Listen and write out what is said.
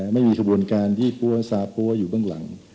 ไม่มีขบวนการยี่ปั้วซาปั้วอยู่เบื้องหลัง